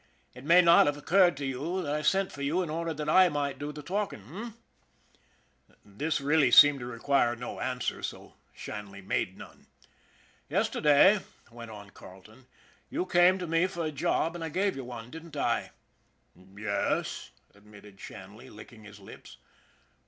It may not have occurred to you that I sent for you in order that / might do the talking h'm?" This really seemed to require no answer, so Shanley made none. ' Yesterday," went on Carleton, " you came to me for a job, and I gave you one, didn't I ?"' Yes," admitted Shanley, licking his lips.